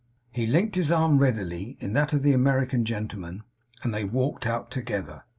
He linked his arm readily in that of the American gentleman, and they walked out together.